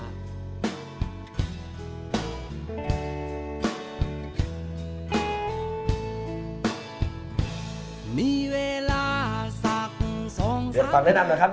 เดี๋ยวฝันแนะนำหน่อยครับนิกัยครับ